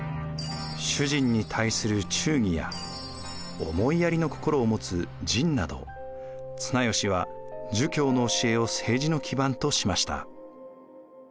主人に対する「忠義」や思いやりの心を持つ「仁」など綱吉は儒教の教えを政治の基盤としました。